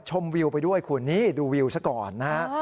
วิวไปด้วยคุณนี่ดูวิวซะก่อนนะฮะ